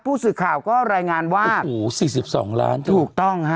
ผู้สื่อข่าวก็รายงานว่าโอ้โห๔๒ล้านถูกต้องฮะ